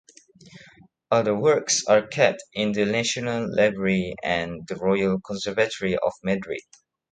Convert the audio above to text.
Other works are kept in the National Library and the Royal Conservatory of Madrid.